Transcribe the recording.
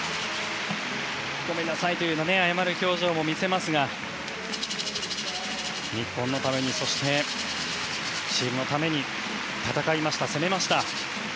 ごめんなさいという謝る表情も見せますが日本のためにそしてチームのために戦いました、攻めました。